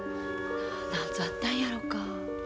なんぞあったんやろか。